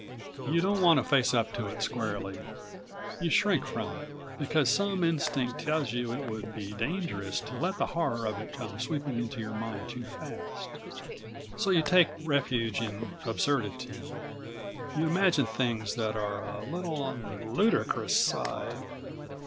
You don't want to face up to it squarely, you shrink from it, because some instinct tells you it would be dangerous to let the horror of it come sweeping into your mind too fast. So you take refuge in absurdity, you imagine things that are a little on the ludicrous side.